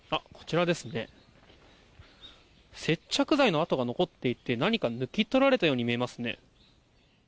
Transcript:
接着剤の跡が残っていて何か抜き取られたように見えますね。